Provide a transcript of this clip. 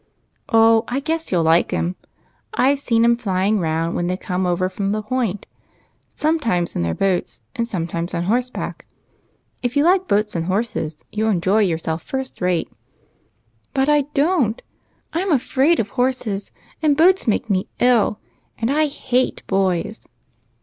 " Oh ! I guess you '11 like 'em. I 've seen 'em flying round when they come over from the Point, some times in their boats and sometimes on horseback. If you like boats and horses, you'll enjoy yourself first rate." " But I don't ! I 'm afraid of horses, and boats make me ill, and I hate boys